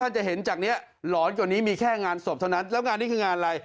จะเห็นจากนี้หลอนกว่านี้มีแค่งานศพเท่านั้นแล้วงานนี้คืองานอะไร